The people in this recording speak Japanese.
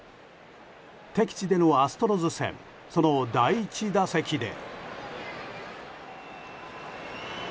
敵地でのアストロズ戦その第１打席で。